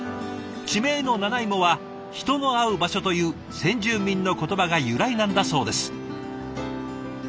地名のナナイモは人の会う場所という先住民の言葉が由来なんだそうです。